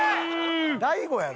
大悟やろ。